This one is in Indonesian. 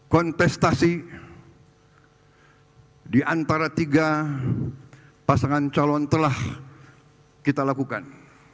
kontestasi di antara tiga pasangan calon telah kita lakukan